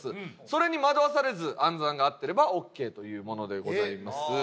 それに惑わされず暗算が合っていればＯＫというものでございます。